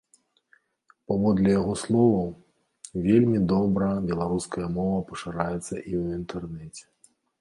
Паводле яго словаў, вельмі добра беларуская мова пашыраецца і ў інтэрнэце.